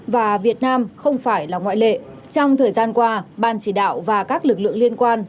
và việt nam không phải là ngoại lệ trong thời gian qua ban chỉ đạo và các lực lượng liên quan